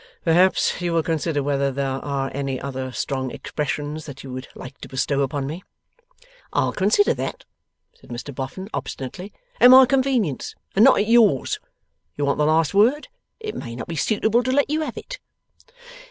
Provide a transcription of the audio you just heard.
'Perhaps you will consider whether there are any other strong expressions that you would like to bestow upon me?' 'I'll consider that,' said Mr Boffin, obstinately, 'at my convenience, and not at yours. You want the last word. It may not be suitable to let you have it.